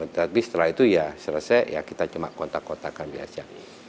tapi setelah itu ya selesai ya kita cuma kontak kotakan aja